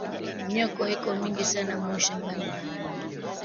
Myoko iko mingi sana mu mashamba ya mama